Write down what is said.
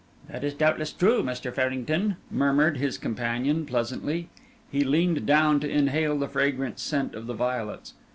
"That is doubtless true, Mr. Farrington," murmured his companion, pleasantly. He leaned down to inhale the fragrant scent of the violets.